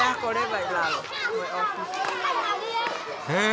へえ。